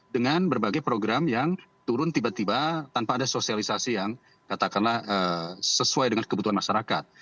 dengan berbagai program yang turun tiba tiba tanpa ada sosialisasi yang katakanlah sesuai dengan kebutuhan masyarakat